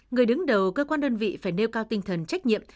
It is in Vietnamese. người đứng đầu cơ quan đơn vị phải nêu cao tinh thần trách nhiệm